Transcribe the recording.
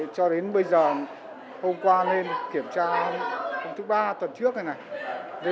cho đến bây giờ hôm qua nên kiểm tra hôm thứ ba tuần trước này này